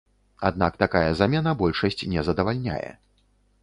Аднак такая замена большасць не задавальняе.